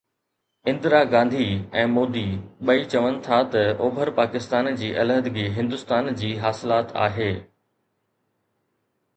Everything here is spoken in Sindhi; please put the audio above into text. اندرا گانڌي ۽ مودي ٻئي چون ٿا ته اوڀر پاڪستان جي علحدگي هندستان جي حاصلات آهي.